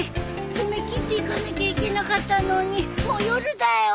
爪切っていかなきゃいけなかったのにもう夜だよ。